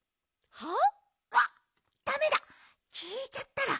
はあ？